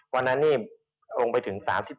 วันนั้นนี่ขึ้นลงไปถึง๓๗๔บาท